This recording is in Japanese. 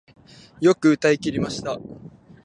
よく歌い切りました